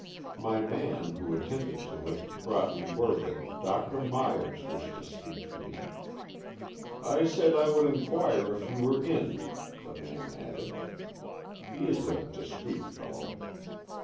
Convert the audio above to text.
My man, who attended to it, brought me word that Dr. Myers wished to speak to me. " I said I would inquire if you were in," the man added. He is a discreet fellow.